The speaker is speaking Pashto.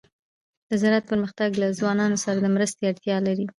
د زراعت پرمختګ له ځوانانو سره د مرستې اړتیا لري.